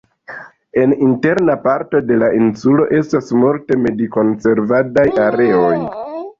En interna parto de la insulo estas multe medikonservadaj areoj.